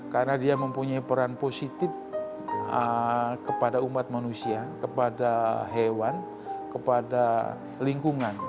karena dia mempunyai peran positif kepada umat manusia kepada hewan kepada lingkungan